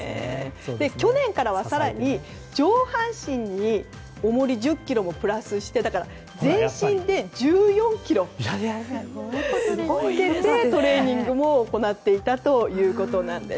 去年からは更に上半身に重り１０ｋｇプラスして全身で１４ｋｇをつけてトレーニングも行っていたということです。